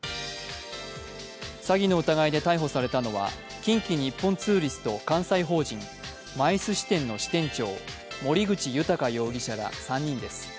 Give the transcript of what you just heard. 詐欺の疑いで逮捕されたのは近畿日本ツーリスト関西法人ＭＩＣＥ支店の支店長森口裕容疑者ら３人です。